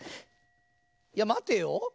いやまてよ。